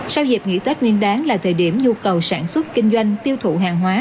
sau dịp nghỉ tết nguyên đáng là thời điểm nhu cầu sản xuất kinh doanh tiêu thụ hàng hóa